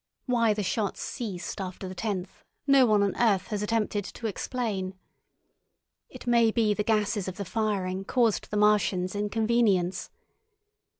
Why the shots ceased after the tenth no one on earth has attempted to explain. It may be the gases of the firing caused the Martians inconvenience.